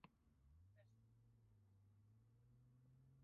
Se asoma hacia las islas Long y Hog.